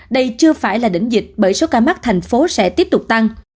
đây chưa phải là đỉnh dịch bởi số ca mắc thành phố sẽ tiếp tục tăng